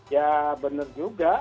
ya benar juga